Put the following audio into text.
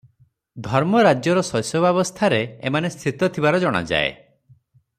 ଧର୍ମରାଜ୍ୟର ଶୈଶବାବସ୍ଥାରେ ଏମାନେ ସ୍ଥିତ ଥିବାର ଜଣାଯାଏ ।